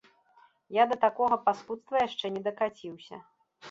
Я да такога паскудства яшчэ не дакаціўся.